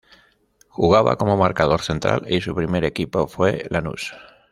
Jugaba como marcador central y su primer equipo fue Lanús.